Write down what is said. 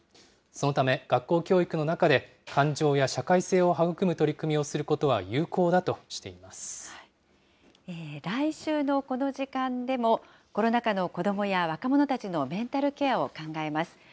そのため、学校教育の中で感情や社会性を育む取り組みをすることは有効だと来週のこの時間でも、コロナ禍の子どもや若者たちのメンタルケアを考えます。